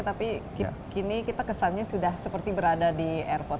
tapi kini kita kesannya sudah seperti berada di airport